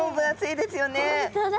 本当だ。